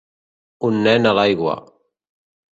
Un nen a l'aigua.